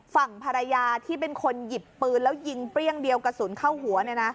ฝั่งภรรยาที่เป็นคนหยิบปืนแล้วยิงเปรี้ยงเดียวกระสุนเข้าหัว